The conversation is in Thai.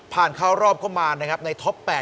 ผ่านเข้ารอบเข้ามาในท็อป๘